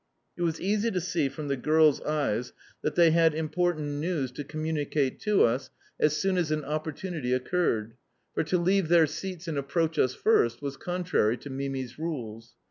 It was easy to see from the girls' eyes that they had important news to communicate to us as soon as an opportunity occurred (for to leave their seats and approach us first was contrary to Mimi's rules).